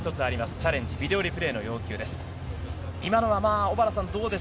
チャレンジ、ビデオリプレーの要求です。